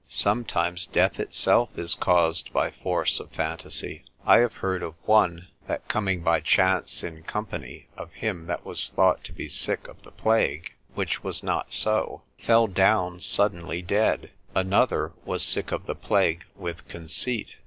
Sometimes death itself is caused by force of phantasy. I have heard of one that coming by chance in company of him that was thought to be sick of the plague (which was not so) fell down suddenly dead. Another was sick of the plague with conceit.